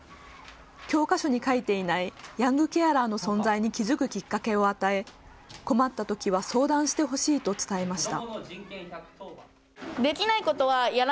教科書に書いていないヤングケアラーの存在に気付くきっかけを与え、困ったときは相談してほしいと伝えました。